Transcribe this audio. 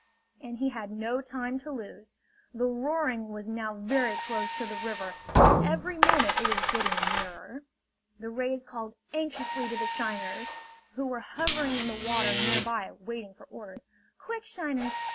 And he had no time to lose. The roaring was now very close to the river and every moment it was getting nearer. The rays called anxiously to the shiners, who were hovering in the water nearby waiting for orders: "Quick, shiners!